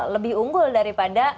lebih unggul daripada